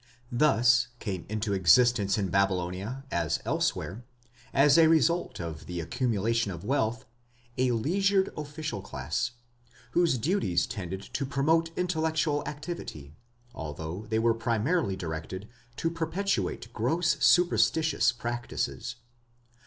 Thus came into existence in Babylonia, as elsewhere, as a result of the accumulation of wealth, a leisured official class, whose duties tended to promote intellectual activity, although they were primarily directed to perpetuate gross superstitious practices.